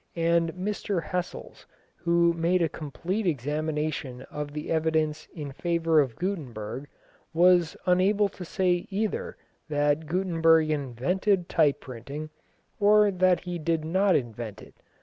And Mr Hessels, who made a complete examination of the evidence in favour of Gutenberg, was unable to say either that Gutenberg invented type printing, or that he did not invent it.